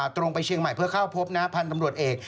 ตรงไปเชียงใหม่เพื่อเข้าพบพันธุ์ตำรวจเอก